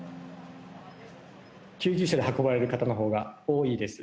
救急車で運ばれる方のほうが多いです。